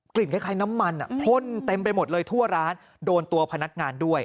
คล้ายน้ำมันพ่นเต็มไปหมดเลยทั่วร้านโดนตัวพนักงานด้วย